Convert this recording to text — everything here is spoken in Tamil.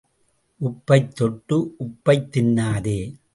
உப்பைத் தொட்டு உப்பைத் தின்னாதே.